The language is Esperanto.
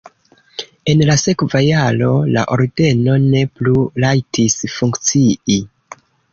En la sekva jaro la ordeno ne plu rajtis funkcii.